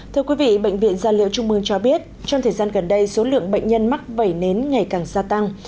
thưa quý vị bệnh viện gia liễu trung mương cho biết trong thời gian gần đây số lượng bệnh nhân mắc vẩy nến ngày càng gia tăng